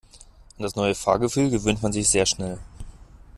An das neue Fahrgefühl gewöhnt man sich sehr schnell.